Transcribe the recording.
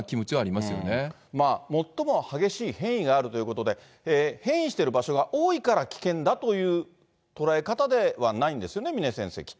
まあ最も激しい変異があるということで、変異している場所が多いから危険だという捉え方ではないんですよ